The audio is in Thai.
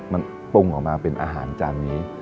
มันปรุงออกมาเป็นอาหารจานนี้